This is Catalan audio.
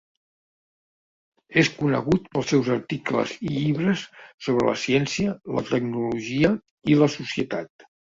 És conegut pels seus articles i llibres sobre la ciència, la tecnologia i la societat.